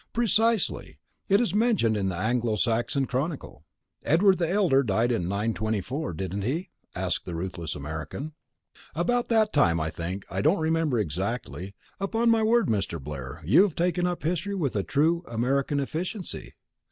"Precisely. It is mentioned in the Anglo Saxon Chronicle." "Edward the Elder died in 924, didn't he?" asked the ruthless American. "About that time, I think. I don't remember exactly. Upon my word, Mr. Blair, you have taken up history with true American efficiency!